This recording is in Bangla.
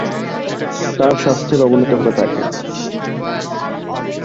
তার স্বাস্থ্যের অবনতি হতে থাকে।